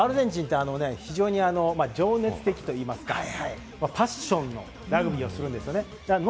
アルゼンチンって非常に情熱的といいますか、パッションのラグビーをするんですね。